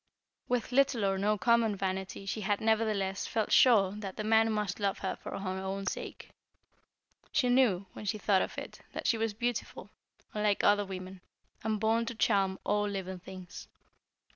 With little or no common vanity she had nevertheless felt sure that the man must love her for her own sake. She knew, when she thought of it, that she was beautiful, unlike other women, and born to charm all living things.